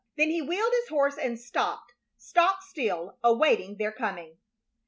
Then he wheeled his horse and stopped stock still, awaiting their coming.